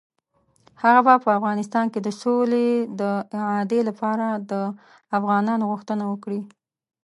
هغه به په افغانستان کې د سولې د اعادې لپاره د افغانانو غوښتنه وکړي.